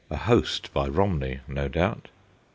A host by Romney, no doubt.